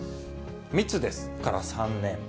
密ですから３年。